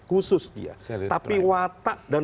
khusus dia tapi watak dan